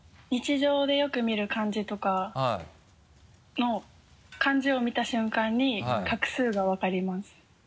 日常でよく見る漢字とかの漢字を見た瞬間に画数が分かります。